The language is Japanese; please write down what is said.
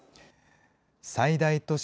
最大都市